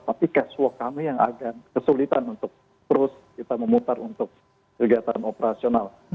tapi cashwork kami yang agak kesulitan untuk terus kita memutar untuk kegiatan operasional